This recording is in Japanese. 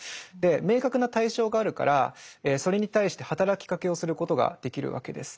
明確な対象があるからそれに対して働きかけをすることができるわけです。